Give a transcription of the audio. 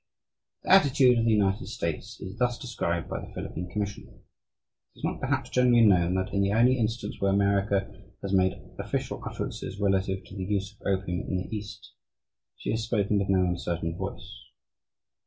The attitude of the United States is thus described by the Philippine Commission: "It is not perhaps generally known that in the only instance where America has made official utterances relative to the use of opium in the East, she has spoken with no uncertain voice.